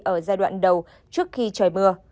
ở giai đoạn đầu trước khi trời mưa